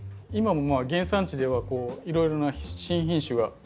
今も原産地ではいろいろな新品種が。